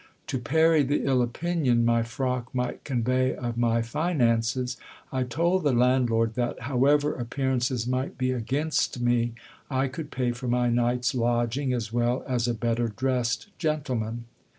To parry the ill opinion my frock might convey of my finances, I told the landlord that, however appear ances might be against me, I could pay for my night's lodging as well as a better dressed gentleman.